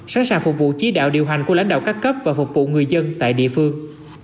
sẵn sàng phục vụ chí đạo điều hành của lãnh đạo các cấp và phục vụ người dân tại địa phương